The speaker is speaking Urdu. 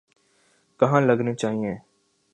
کہاں لگنے چاہئیں۔